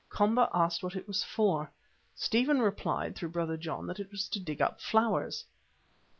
Komba asked what it was for. Stephen replied through Brother John that it was to dig up flowers.